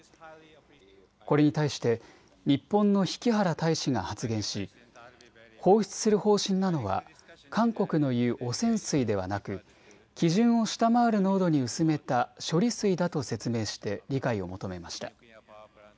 これに対して日本の引原大使が発言し、放出する方針なのは韓国の言う汚染水ではなく、基準を下回る濃度に薄めた処理水だと説明して理解を求めました。